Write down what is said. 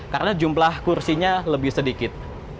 karena jumlah kursinya lebih sedikit